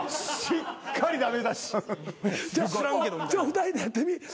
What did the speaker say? ２人でやってみ。